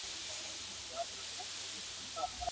د جګو غرونو، شنو لمنو، غرڅنۍ سندري.